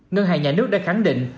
ngân hàng nhà nước đã khẳng định